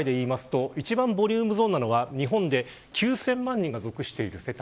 今回で言うと一番ボリュームゾーンなのが日本で９０００万人が属している世界。